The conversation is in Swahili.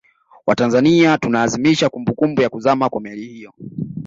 Watanzania tunaadhimisha kumbukumbu ya kuzama kwa Meli hiyo